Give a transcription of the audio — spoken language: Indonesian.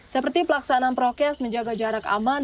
seperti pelaksanaan prokes menjaga jarak aman